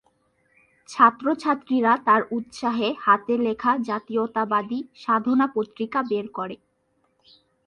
ছাত্র ছাত্রীরা তার উৎসাহে হাতে লেখা জাতীয়তাবাদী 'সাধনা' পত্রিকা বের করে।